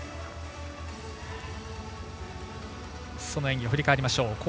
演技を振り返りましょう。